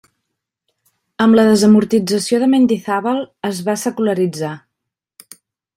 Amb la desamortització de Mendizábal es va secularitzar.